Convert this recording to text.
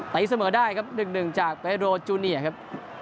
แต่ที่เสมอได้ครับหนึ่งหนึ่งจากเบโรจูเนียครับ